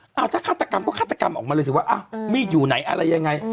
เอาถ้าฆาตกรรมก็ฆาตกรรมออกมาเลยสิว่ามีดอยู่ไหนอะไรยังไง